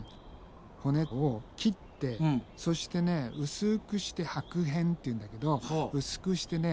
骨を切ってそしてね薄くして剥片っていうんだけど薄くしてね